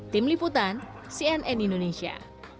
tim liputan cnn indonesia